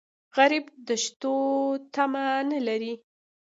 غریب د شتو تمه نه لري